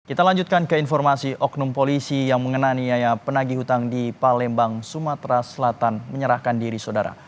kita lanjutkan ke informasi oknum polisi yang mengenaniaya penagi hutang di palembang sumatera selatan menyerahkan diri saudara